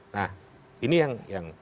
nah ini yang